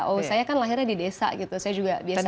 oh saya kan lahirnya di desa gitu saya juga biasa